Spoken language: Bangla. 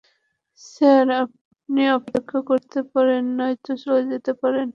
স্যার, আপনি অপেক্ষা করতে পারেন, নয়তো চলে যেতে পারেন।